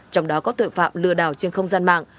trong đó có tội phạm lừa đảo trên không gian mạng